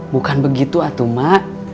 bukan begitu atu mak